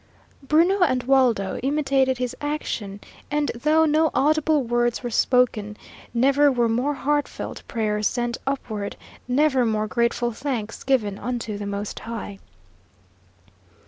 Bruno and Waldo imitated his action, and, though no audible words were spoken, never were more heartfelt prayers sent upward, never more grateful thanks given unto the Most High.